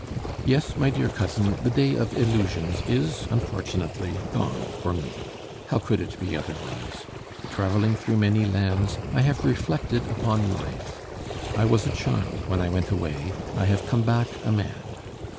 Yes, my dear cousin, the day of illusions is, unfortunately, gone for me. How could it be otherwise? Travelling through many lands, I have reflected upon life. I was a child when I went away, I have come back a man.